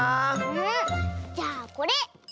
じゃあこれ。